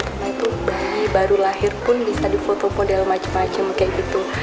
karena itu bayi baru lahir pun bisa difotopo dalam macam macam kayak gitu